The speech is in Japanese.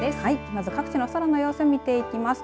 まず各地の空の様子見ていきます。